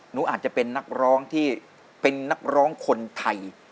หนูอาจจะเป็นนักร้องที่เป็นนักร้องคนไทย